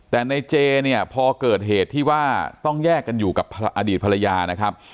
แต่ในเจเนี่ยพอเกิดเหตุที่ว่าต้องแยกกันอยู่กับอดีตภรรยานะครับ